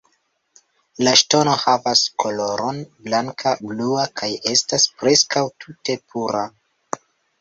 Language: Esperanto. La ŝtono havas koloron blanka-bluan kaj estas preskaŭ tute pura.